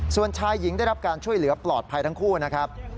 ส่วนชายหญิงได้รับการช่วยเหลือปลอดภัยทั้งคู่นะครับ